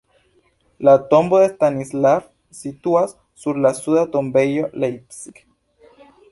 La tombo de Stanislav situas sur la suda tombejo Leipzig.